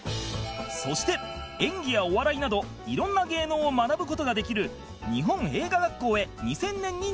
そして演技やお笑いなどいろんな芸能を学ぶ事ができる日本映画学校へ２０００年に入学